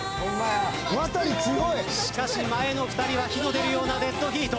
しかし前の２人は火の出るようなデッドヒート。